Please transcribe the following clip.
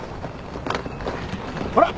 ほら！